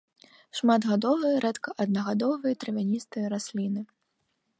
Шматгадовыя, рэдка аднагадовыя, травяністыя расліны.